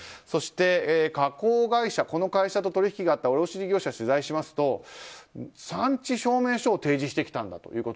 そして、加工会社この会社と取引があった卸売業者を取材しますと産地証明書を提示してきたんだと。